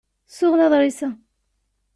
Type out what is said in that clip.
Ssuɣel aḍṛis-a.